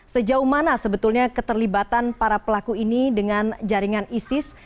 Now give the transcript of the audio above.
sejauh mana sebetulnya keterlibatan para pelaku ini dengan jaringan isis